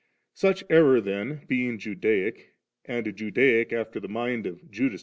28. Such error then being Judaic, and Judaic after the mind of Judas the traitor.